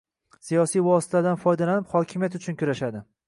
siyosiy vositalardan foydalanib hokimiyat uchun kurashadi.